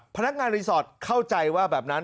พนักงานรีสอร์ทเข้าใจว่าแบบนั้น